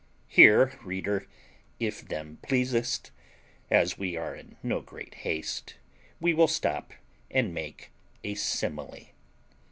Here, reader, if them pleasest, as we are in no great haste, we will stop and make a simile.